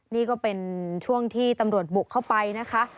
นี่ก็เป็นช่วงที่ตำรวจบุกเข้าไปนะคะ